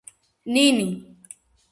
ნინი